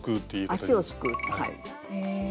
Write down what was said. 足をすくうはい。